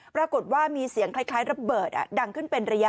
ปรากฏว่ามีเสียงคล้ายระเบิดดังขึ้นเป็นระยะ